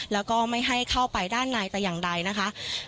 แล้วก็ไม่ให้เข้าไปด้านในแต่อย่างใดนะคะ